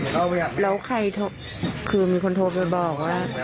เพื่อนเกิดเหตุคือมีคนโทรไปบอกว่า